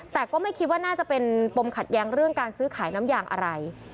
แต่ก็ไม่คิดว่าน่าจะเป็นปมขัดแย้งเรื่องการซื้อขายน้ำยางอะไร